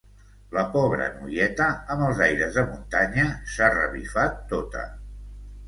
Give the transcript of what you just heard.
La pobra noieta, amb els aires de muntanya, s'ha revifat tota.